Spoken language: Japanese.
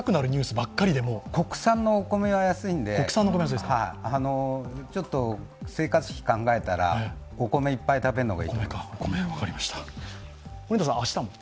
国産のお米は安いので、生活費を考えたらお米いっぱい食べるのが。